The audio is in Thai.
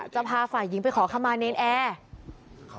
จะพาฝ่ายิงไปขอเข้ามาเน้นแอร์